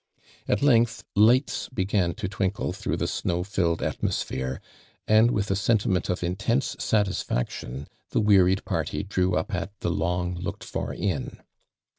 At length lights began to twinkle through the snow filled nlmosphere, and with a sentiment of intense satisfaction the wearied paity drew up at the long looked for inn.